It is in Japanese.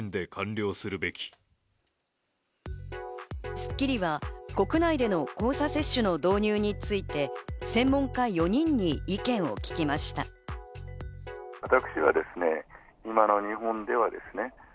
『スッキリ』は国内での交差接種の導入について専門家４人に意見を聞きました。